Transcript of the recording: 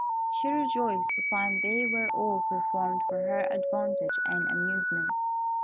She rejoiced to find they were all performed for her advantage and amusement.